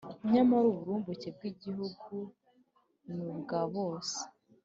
Nyamara uburumbuke bw igihugu ni ubwa bose